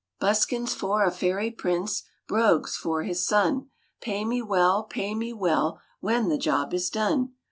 Buskins for a fairy prince, Brogues for his son, Pay me well, pay me well, When the job is done!"